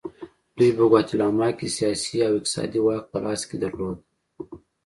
دوی په ګواتیمالا کې سیاسي او اقتصادي واک په لاس کې درلود.